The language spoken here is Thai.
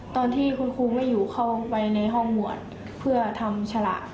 ตอนที่คุณครูไม่อยู่เข้าไปในห้องบวชเพื่อทำฉลาก